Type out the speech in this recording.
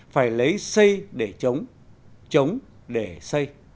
phải lấy xây để chống chống để xây